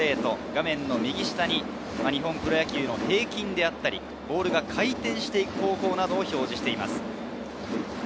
画面右下に日本プロ野球の平均だったり、ボールが回転していく方向などを表示しています。